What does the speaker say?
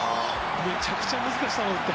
めちゃくちゃ難しい球だった。